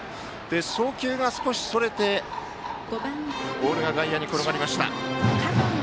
送球が少しそれてボールが外野に転がりました。